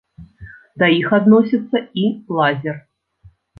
Да іх адносіцца і лазер.